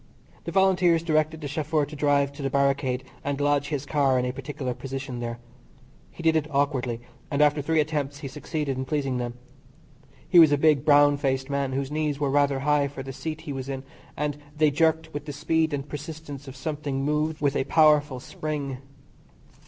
The Volunteers directed the chauffeur to drive to the barricade and lodge his car in a particular position there. He did it awkwardly, and after three attempts he succeeded in pleasing them. He was a big, brown faced man, whose knees were rather high for the seat he was in, and they jerked with the speed and persistence of something moved with a powerful spring.